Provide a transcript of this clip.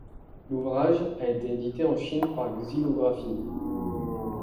L'ouvrage a été édité en Chine par xylographie.